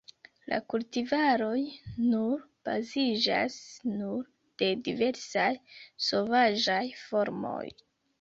La kultivaroj nur baziĝas nur de diversaj sovaĝaj formoj.